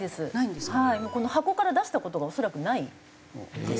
この箱から出した事が恐らくないです。